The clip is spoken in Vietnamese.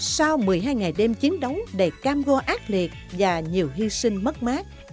sau một mươi hai ngày đêm chiến đấu đầy cam go ác liệt và nhiều hy sinh mất mát